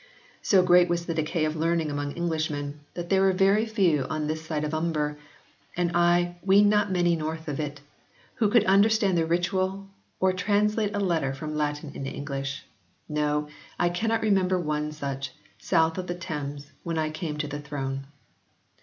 So great was the decay of learning among Englishmen that there were very few on this side Hutnber, and I ween not many north of it, who could understand the ritual, or translate a letter from Latin into English. No, I cannot remember one such, south of the Thames, when I came to the throne."